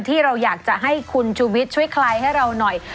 ที่เราอยากจะให้คุณชูวิทย์ช่วยคลายให้เราหน่อย